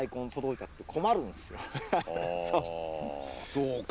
そうか。